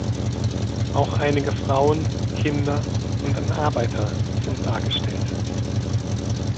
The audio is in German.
Auch einige Frauen, Kinder und ein Arbeiter sind dargestellt.